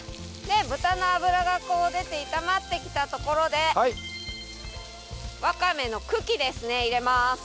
豚の脂がこう出て炒まってきたところでワカメの茎ですね入れます。